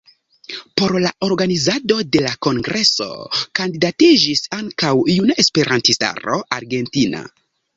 Por la organizado de la kongreso kandidatiĝis ankaŭ Juna Esperantistaro Argentina.